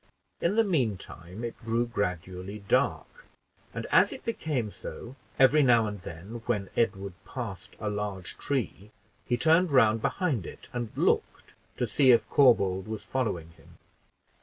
In the mean time it grew gradually dark; and as it became so, every now and then when Edward passed a large tree, he turned round behind it and looked to see if Corbould was following him.